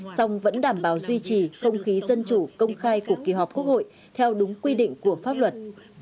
song vẫn đảm bảo duy trì không khí dân chủ công khai của kỳ họp quốc hội theo đúng quy định của pháp luật